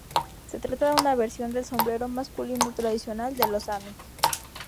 Se trata de una versión del sombrero masculino tradicional de los sami.